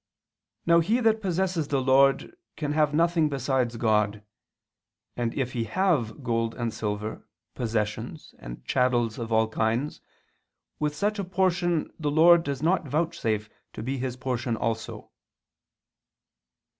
Now he that possesses the Lord, can have nothing besides God; and if he have gold and silver, possessions, and chattels of all kinds, with such a portion the Lord does not vouchsafe to be his portion also."